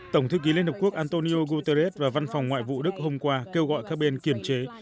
tổng thư ký liên hợp quốc antonio guterres và văn phòng ngoại vụ đức hôm qua kêu gọi các bên kiểm chế